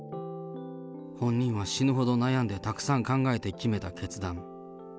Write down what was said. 本人は死ぬほど悩んで、たくさん考えて決めた決断。